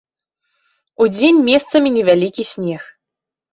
Удзень месцамі невялікі снег.